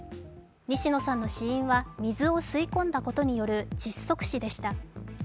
西野さんの死因は水を吸い込んだことによる窒息しでした。